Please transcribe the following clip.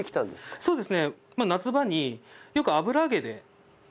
そうですね。